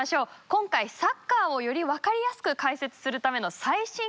今回サッカーをより分かりやすく解説するための最新技術をご用意しました。